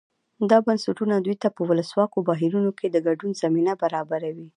دا بنسټونه دوی ته په ولسواکو بهیرونو کې د ګډون زمینه برابروي.